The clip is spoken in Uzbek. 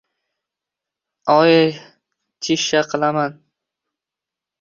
Oyi, chishsha qilamaaaan